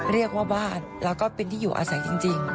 เรียกว่าบ้านแล้วก็เป็นที่อยู่อาศัยจริง